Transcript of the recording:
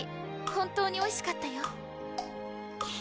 本当においしかったよコ？